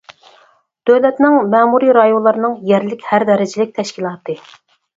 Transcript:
دۆلەتنىڭ مەمۇرىي رايونلارنىڭ يەرلىك ھەر دەرىجىلىك تەشكىلاتى.